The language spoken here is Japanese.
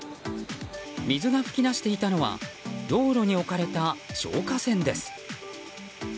水が噴き出していたのは道路に置かれた消火栓です。